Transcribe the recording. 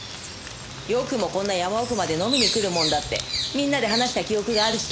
よくもこんな山奥まで飲みに来るもんだってみんなで話した記憶があるし。